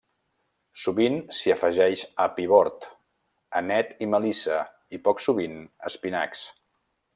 Sovint s'hi afegeix api bord, anet i melissa, i poc sovint espinacs.